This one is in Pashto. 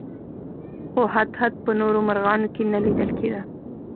خو هدهد په نورو مرغانو کې نه لیدل کېده.